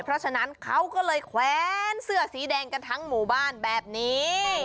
เพราะฉะนั้นเขาก็เลยแขวนเสื้อสีแดงกันทั้งหมู่บ้านแบบนี้